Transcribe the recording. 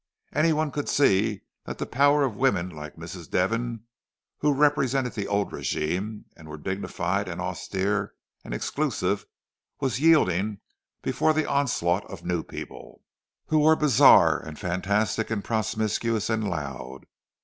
Anyone could see that the power of women like Mrs. Devon, who represented the old régime, and were dignified and austere and exclusive, was yielding before the onslaught of new people, who were bizarre and fantastic and promiscuous and loud.